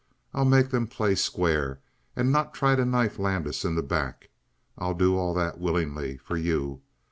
I'll make them play square and not try to knife Landis in the back. I'll do all that willingly for you!